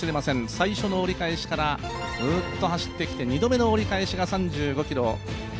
最初の折り返しからぐっと走ってきて二度目の折り返しが３５ｋｍ。